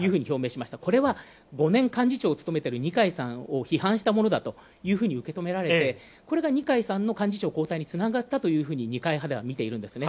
これは５年、幹事長を務める二階さんを批判したものだと受け止められてこれが二階さんの幹事長交代につながったと二階派では見ているんですね。